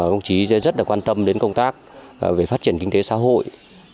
đồng chí rất quan tâm đến công tác về phát triển kinh tế xã hội